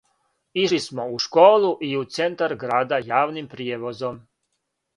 Ишли смо у школу и у центар града јавним пријевозом.